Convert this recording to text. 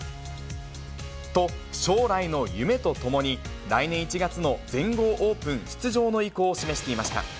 と、将来の夢とともに、来年１月の全豪オープン出場の意向を示していました。